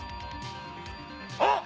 あっ！